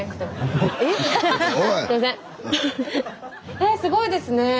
えすごいですね！